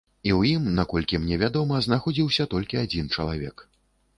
І ў ім, наколькі мне вядома, знаходзіўся толькі адзін чалавек.